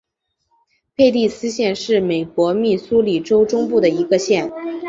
佩蒂斯县是美国密苏里州中部的一个县。